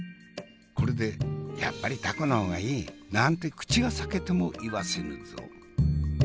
これで「やっぱりタコの方がいい！」なんて口が裂けても言わせぬぞ。